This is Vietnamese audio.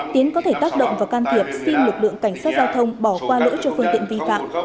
tiến có thể tác động và can thiệp xin lực lượng cảnh sát giao thông bỏ qua lỗi cho phương tiện vi phạm